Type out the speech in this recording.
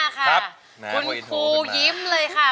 คุณครูยิ้มเลยค่ะ